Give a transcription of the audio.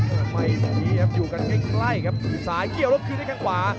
ตอนนี้ครับอยู่กันใกล้ครับอยู่ซ้ายเกี่ยวรอบคืนได้ข้างขวา